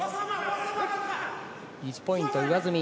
１ポイント上積み。